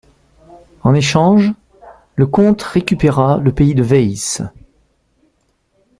En échange, le comte récupéra le pays de Waes.